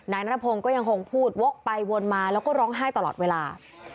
นายนัทพงศ์ก็ยังคงพูดวกไปวนมาแล้วก็ร้องไห้ตลอดเวลา